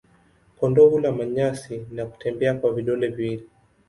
Kondoo hula manyasi na kutembea kwa vidole viwili.